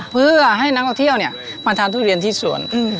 เพื่อให้นักท่องเที่ยวมาทานทุเรียนที่สวน